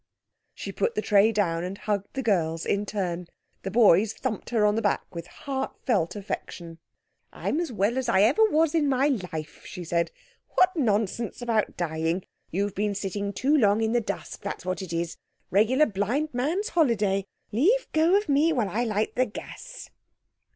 She put the tray down and hugged the girls in turn. The boys thumped her on the back with heartfelt affection. "I'm as well as ever I was in my life," she said. "What nonsense about dying! You've been a sitting too long in the dusk, that's what it is. Regular blind man's holiday. Leave go of me, while I light the gas."